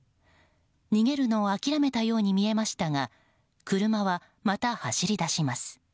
逃げるのを諦めたように見えましたが車はまた走り出します。